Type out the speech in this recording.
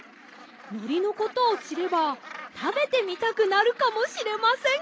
のりのことをしればたべてみたくなるかもしれません。